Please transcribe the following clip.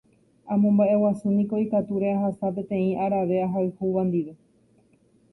amomba'eguasúniko ikatúre ahasa peteĩ arave ahayhúva ndive